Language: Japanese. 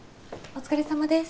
お疲れさまです。